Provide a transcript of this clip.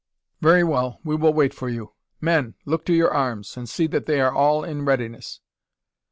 "Very well; we will wait for you. Men! look to your arms, and see that they are all in readiness."